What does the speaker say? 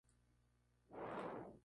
Tallos con numerosos nudos.